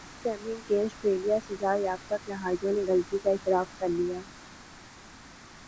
بال tampering case سٹریلوی سزا یافتہ کھلاڑیوں نےغلطی کا اعتراف کر لیا